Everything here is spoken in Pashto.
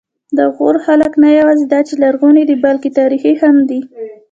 د غور خلک نه یواځې دا چې لرغوني دي، بلکې تاریخي هم دي.